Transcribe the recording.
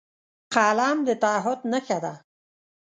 قلم د تعهد نښه ده